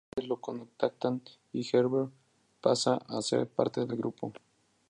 Los miembros restantes lo contactan y Heber pasa a hacer parte del grupo.